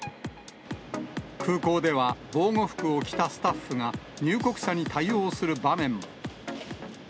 空港では、防護服を着たスタッフが、入国者に対応する場面も。